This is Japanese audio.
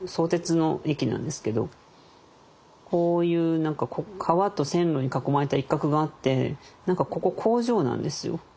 こういう何か川と線路に囲まれた一角があって何かここ工場なんですよ。